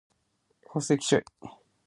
Nun me contestó al corréu que-y unvié ayeri.